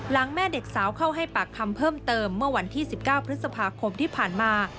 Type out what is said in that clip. แม่เด็กสาวเข้าให้ปากคำเพิ่มเติมเมื่อวันที่๑๙พฤษภาคมที่ผ่านมา